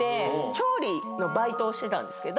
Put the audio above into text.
調理のバイトをしてたんです。